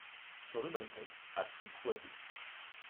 Sur le balcon, à Piquoiseau.